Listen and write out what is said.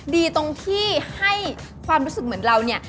ดีตรงที่ให้ความรู้สึกเหมือนเราเนี่ย